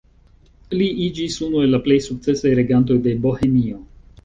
Li iĝis unu el la plej sukcesaj regantoj de Bohemio.